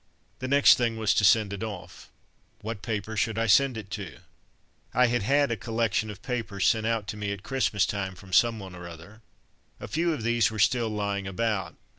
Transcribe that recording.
The next thing was to send it off. What paper should I send it to? I had had a collection of papers sent out to me at Christmas time from some one or other. A few of these were still lying about.